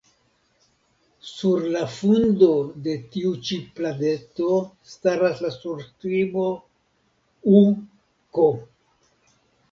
Sur la fundo de tiu ĉi pladeto staras la surskribo « U. K. »